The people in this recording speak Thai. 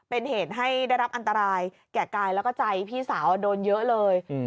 เป็นเหตุให้ได้รับอันตรายแก่กายแล้วก็ใจพี่สาวโดนเยอะเลย